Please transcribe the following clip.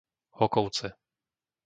Hokovce